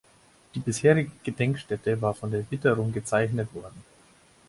Die bisherige Gedenkstätte war von der Witterung gezeichnet worden.